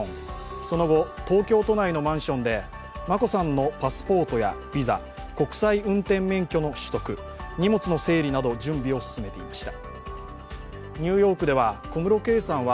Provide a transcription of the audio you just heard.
その後、東京都内のマンションで眞子さんのパスポートやビザ国際運転免許の取得荷物の整理など準備を進めていました。